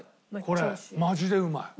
これマジでうまい。